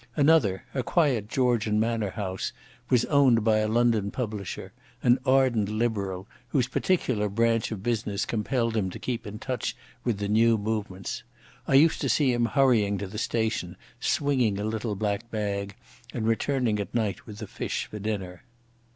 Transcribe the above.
Another, a quiet Georgian manor house, was owned by a London publisher, an ardent Liberal whose particular branch of business compelled him to keep in touch with the new movements. I used to see him hurrying to the station swinging a little black bag and returning at night with the fish for dinner.